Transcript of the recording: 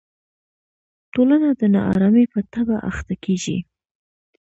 ټولنه د نا ارامۍ په تبه اخته کېږي.